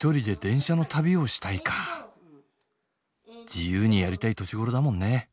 自由にやりたい年頃だもんね。